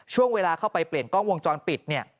ช่วงเวลาเข้าไปเปลี่ยนกล้องวงจรปิดเนี่ย